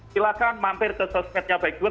silahkan mampir ke sosmednya baik gue